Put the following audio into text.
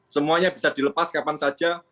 semuanya bisa dilepas kapan saja